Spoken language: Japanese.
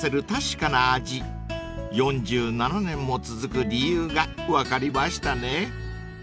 ［４７年も続く理由が分かりましたね］